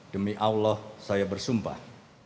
demi allah saya bersumpah